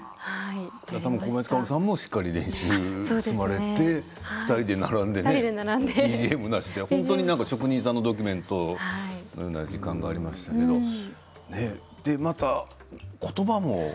小林薫さんもしっかり練習を積まれて２人で並んでＢＧＭなしで本当に職人さんのドキュメントのような時間がありましたけどまた言葉も。